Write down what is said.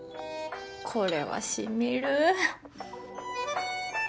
これは染みる！